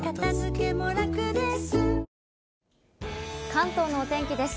関東のお天気です。